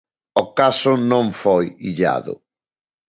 O caso non foi illado.